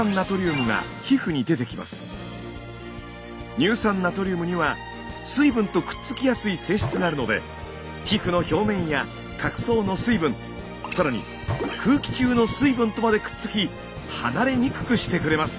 乳酸ナトリウムには水分とくっつきやすい性質があるので皮膚の表面や角層の水分更に空気中の水分とまでくっつき離れにくくしてくれます。